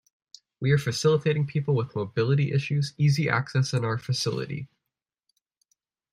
We are facilitating people with mobility issues easy access in our facility.